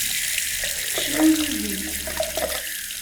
Cnu yid-i.